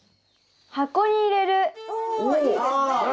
箱に入れる。